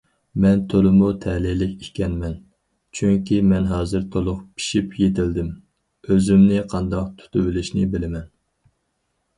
مەن تولىمۇ تەلەيلىك ئىكەنمەن، چۈنكى مەن ھازىر تولۇق پىشىپ يېتىلدىم، ئۆزۈمنى قانداق تۇتۇۋېلىشنى بىلىمەن.